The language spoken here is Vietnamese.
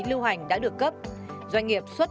lưu hành đã được cấp doanh nghiệp xuất